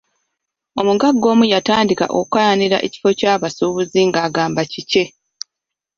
Omugagga omu yatandika okukaayanira ekifo ky'abasuubuzi nga agamba kikye.